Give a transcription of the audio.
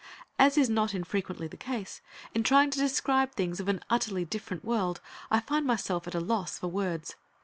As is not infrequently the case, in trying to describe things of an utterly different world, I find myself at a loss for words.